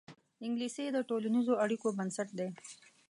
انګلیسي د ټولنیزو اړیکو بنسټ دی